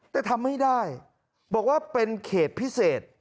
แต่ทำไม่ได้บอกว่าเป็นเขตพิเศษ